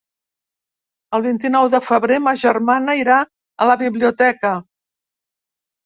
El vint-i-nou de febrer ma germana irà a la biblioteca.